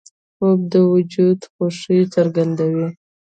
خوب د وجود خوښي څرګندوي